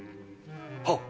はっ！